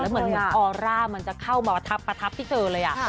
แล้วเชื้อมันมันจะเข้ามาประทับที่เธอเลยอะ